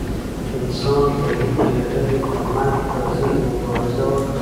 انسان د لیک له لارې د مرګ پر ضد مبارزه وکړه.